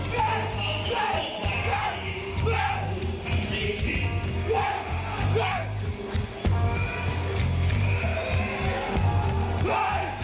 เกิดขึ้นตามดู